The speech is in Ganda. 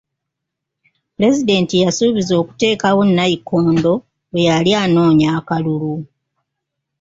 Pulezidenti yasuubiza okuteekawo nnayikondo bwe yali anoonya akalulu.